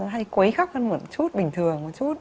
hay quấy khóc hơn một chút bình thường một chút